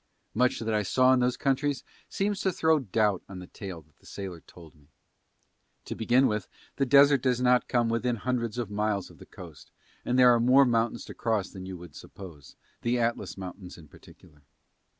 Much that I saw in those countries seems to throw doubt on the tale that the sailor told me. To begin with the Desert does not come within hundreds of miles of the coast and there are more mountains to cross than you would suppose, the Atlas mountains in particular.